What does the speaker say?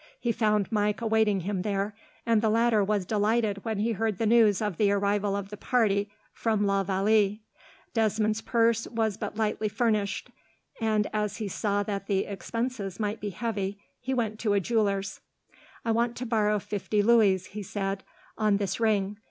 He found Mike awaiting him there, and the latter was delighted when he heard the news of the arrival of the party from la Vallee. Desmond's purse was but lightly furnished, and as he saw that the expenses might be heavy, he went to a jeweller's. "I want to borrow fifty louis," he said, "on this ring.